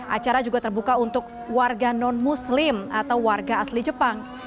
acara juga terbuka untuk warga non muslim atau warga asli jepang